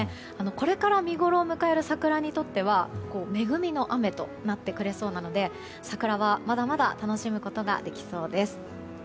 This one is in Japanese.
これから見ごろを迎える桜にとっては恵みの雨となってくれそうなので桜はまだまだ楽しむことができそうです。